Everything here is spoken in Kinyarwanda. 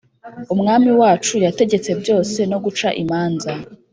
Umwami wacu yategetse byose no guca imanza